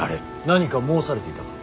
何か申されていたか。